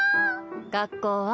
学校は？